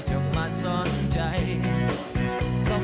สวัสดีครับ